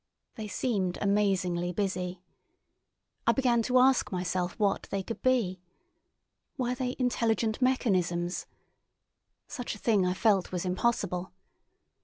They seemed amazingly busy. I began to ask myself what they could be. Were they intelligent mechanisms? Such a thing I felt was impossible.